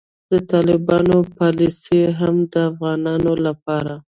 د طالبانو پالیسي هم د افغانانو لپاره